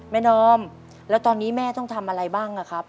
นอมแล้วตอนนี้แม่ต้องทำอะไรบ้างอะครับ